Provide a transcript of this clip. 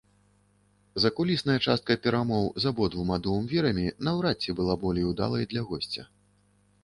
Закулісная частка перамоў з абодвума дуумвірамі наўрад ці была болей удалай для госця.